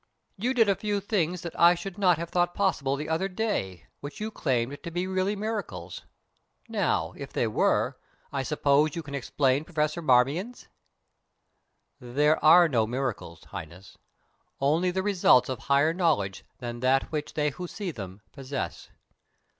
"You did a few things that I should not have thought possible the other day, which you claimed to be really miracles. Now, if they were, I suppose you can explain Professor Marmion's?" "There are no miracles, Highness: only the results of higher knowledge than that which they who see them possess.